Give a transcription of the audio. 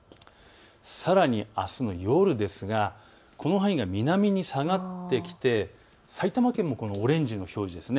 さらにあすの夜ですがこの範囲が南に下がってきて、埼玉県もオレンジの表示です。